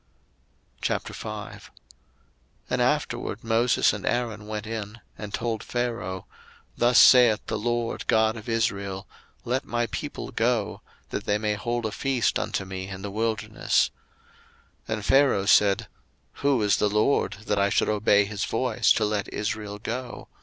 02:005:001 And afterward Moses and Aaron went in, and told Pharaoh, Thus saith the LORD God of Israel, Let my people go, that they may hold a feast unto me in the wilderness. 02:005:002 And Pharaoh said, Who is the LORD, that I should obey his voice to let Israel go?